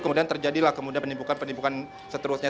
kemudian terjadilah penimpukan penimpukan seterusnya